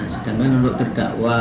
sedangkan untuk terdakwa